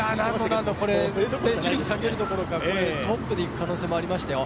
なんのなんの、下げるどころかトップでいく可能性もありますよ。